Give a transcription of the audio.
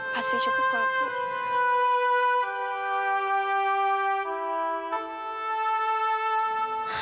pasti cukup kalau